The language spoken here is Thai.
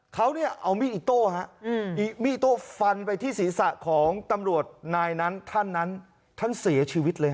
เขาเอามีกอีโต้ฟันไปที่ศีรษะของตำรวจนายนั้นท่านเสียชีวิตเลย